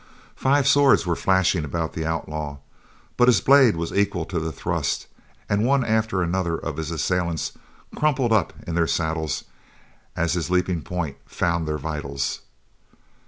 Five swords were flashing about the outlaw, but his blade was equal to the thrust and one after another of his assailants crumpled up in their saddles as his leaping point found their vitals.